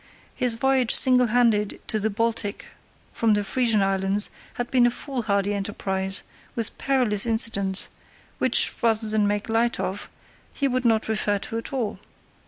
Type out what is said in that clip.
His voyage single handed to the Baltic from the Frisian Islands had been a foolhardy enterprise, with perilous incidents, which, rather than make light of, he would not refer to at all.